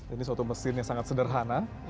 ini suatu mesin yang sangat sederhana